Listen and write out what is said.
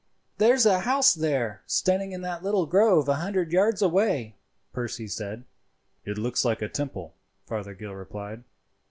"There is a house there, standing in that little grove a hundred yards away," Percy said. "It looks like a temple," Fothergill replied.